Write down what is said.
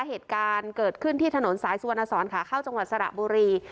เหตุการณ์เกิดขึ้นที่ถนนสายสุวรรณสอนขาเข้าจังหวัดสระบุรี